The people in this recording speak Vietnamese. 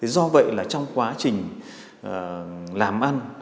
do vậy trong quá trình làm ăn